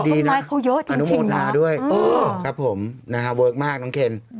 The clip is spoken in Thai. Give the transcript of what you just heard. ต้นไม้เขาเยอะจริงนะครับขอบคุณทุกคนดีนะอนุโมทนาด้วยน่าเวิร์กมากน้องเคน